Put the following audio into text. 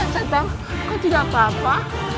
santan kau tidak apa apa